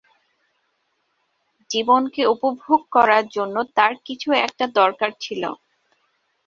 জীবনকে উপভোগ করার জন্য তার কিছু একটা দরকার ছিল।